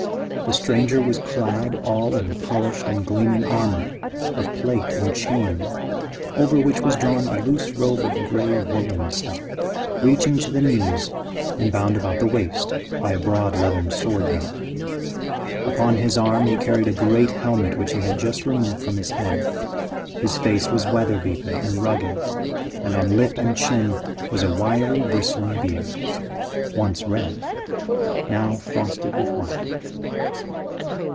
The stranger was clad all in polished and gleaming armor, of plate and chain, over which was drawn a loose robe of gray woollen stuff, reaching to the knees and bound about the waist by a broad leathern sword belt. Upon his arm he carried a great helmet which he had just removed from his head. His face was weather beaten and rugged, and on lip and chin was a wiry, bristling beard; once red, now frosted with white.